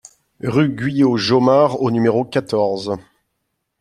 Rue Guyot Jomard au numéro quatorze